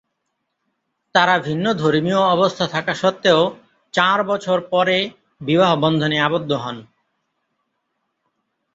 তারা ভিন্ন ধর্মীয় অবস্থা থাকা সত্বেও চার বছর পরে বিবাহ বন্ধনে আবদ্ধ হন।